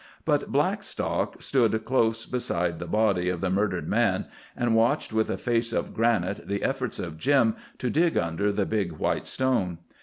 But Blackstock stood close beside the body of the murdered man, and watched with a face of granite the efforts of Jim to dig under the big white stone.